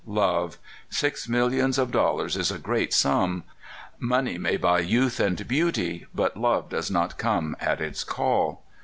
Love! Six millions of dollars is a great sum. Money may buy youth and beauty, but love does not come at its call.